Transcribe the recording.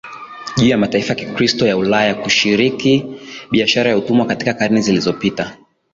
juu ya mataifa ya Kikristo ya Ulaya kushiriki biashara ya utumwa katika karne zilizopita